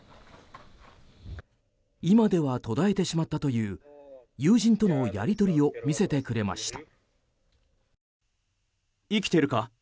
今では途絶えてしまったという友人とのやり取りを見せてくれました。